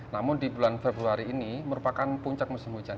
jadi bulan februari ini merupakan puncak musim hujan